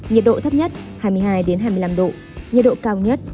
nhiệt độ thấp nhất hai mươi hai hai mươi năm độ nhiệt độ cao nhất